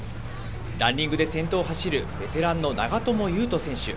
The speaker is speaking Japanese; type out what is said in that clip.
ランニングで先頭を走るベテランの長友佑都選手。